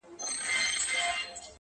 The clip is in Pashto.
او ترینه تللي دې